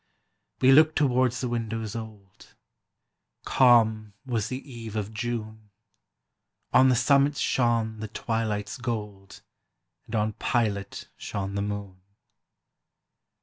We looked towards the windows old : Calm was the eve of June ; On the summits shone the twilight's gold, And on Pilate shone the moon.